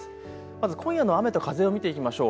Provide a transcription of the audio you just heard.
まず今夜の雨と風を見ていきましょう。